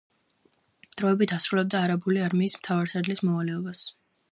დროებით ასრულებდა არაბული არმიის მთავარსარდლის მოვალეობას.